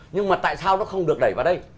nhưng mà tại sao nó không được đẩy vào đây